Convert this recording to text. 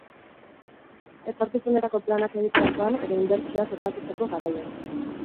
Etorkizunerako planak egiterakoan edo inbertsioak erabakitzeko garaian.